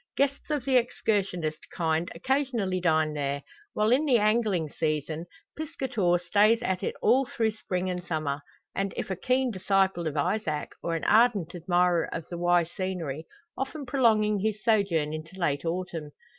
Guests of the excursionist kind occasionally dine there; while in the angling season, piscator stays at it all through spring and summer; and if a keen disciple of Izaak, or an ardent admirer of the Wye scenery, often prolonging his sojourn into late autumn.